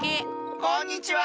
こんにちは！